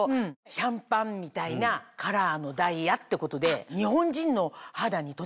シャンパンみたいなカラーのダイヤってことで。